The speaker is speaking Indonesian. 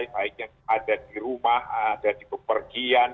baik yang ada di rumah ada di bepergian